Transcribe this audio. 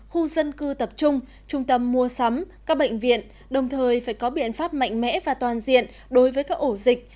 khu dân cư tập trung trung tâm mua sắm các bệnh viện đồng thời phải có biện pháp mạnh mẽ và toàn diện đối với các ổ dịch